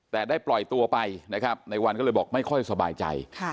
แต่ได้ปล่อยตัวไปนะครับในวันก็เลยบอกไม่ค่อยสบายใจ